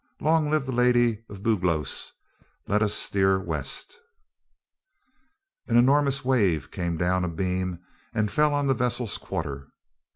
Long live our Lady of Buglose! Let us steer west." An enormous wave came down abeam, and fell on the vessel's quarter.